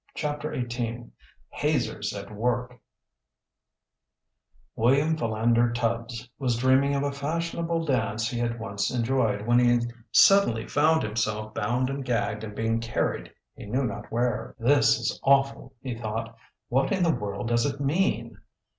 CHAPTER XVIII HAZERS AT WORK William Philander Tubbs was dreaming of a fashionable dance he had once enjoyed when he suddenly found himself bound and gagged and being carried he knew not where. "This is awful!" he thought. "What in the world does it mean?"